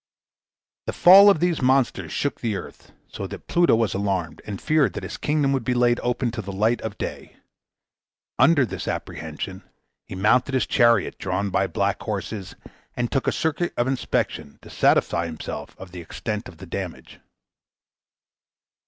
The fall of these monsters shook the earth, so that Pluto was alarmed, and feared that his kingdom would be laid open to the light of day. Under this apprehension, he mounted his chariot, drawn by black horses, and took a circuit of inspection to satisfy himself of the extent of the damage.